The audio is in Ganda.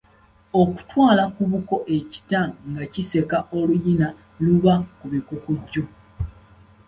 Okutwala ku buko ekita nga kiseka oluyina luba kubikukujju.